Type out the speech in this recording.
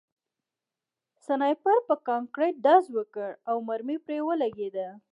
سنایپر په کانکریټ ډز وکړ او مرمۍ پرې ولګېده